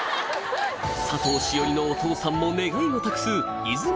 佐藤栞里のお父さんも願いを託す